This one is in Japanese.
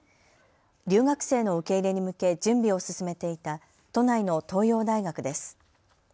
留学生の受け入れに向け準備を進めていた都内の東洋大学です。